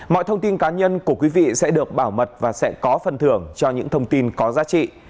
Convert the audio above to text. mọi thông tin cá nhân của quý vị sẽ được bảo mật và sẽ có phần thưởng cho những thông tin có giá trị